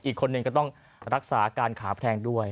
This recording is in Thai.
อีกคนนึงก็ต้องรักษาอาการขาแพงด้วย